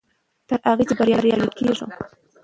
تر هغه چې بریالي کېږو.